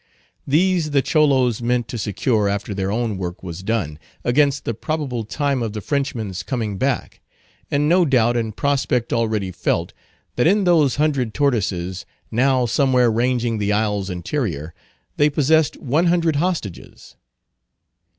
These the Cholos meant to secure after their own work was done, against the probable time of the Frenchman's coming back; and no doubt in prospect already felt, that in those hundred tortoises—now somewhere ranging the isle's interior—they possessed one hundred hostages.